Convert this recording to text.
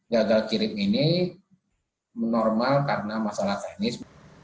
gagal kirim ini menormal karena masalah teknis